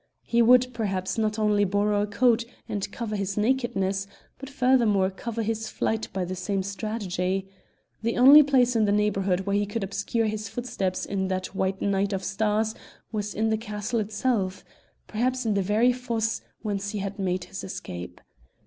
He would, perhaps, not only borrow a coat and cover his nakedness, but furthermore cover his flight by the same strategy. The only place in the neighbourhood where he could obscure his footsteps in that white night of stars was in the castle itself perhaps in the very fosse whence he had made his escape.